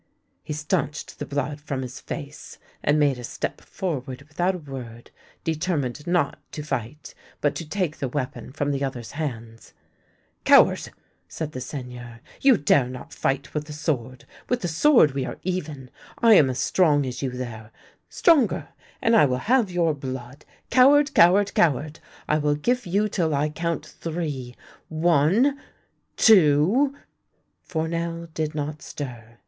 He stanched the blood from his face, and made a step forward without a word, determined not to fight, but to take the weapon from the other's hands. " Coward! " said the Seigneur. " You dare not fight with the sword. With the sword we are even. I am as strong as you there — stronger, and I will have your blood. Coward! Coward! Coward! I will give you till I count three. One! ... Two! ..." Fournel did not stir.